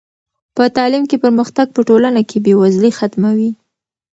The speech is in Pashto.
په تعلیم کې پرمختګ په ټولنه کې بې وزلي ختموي.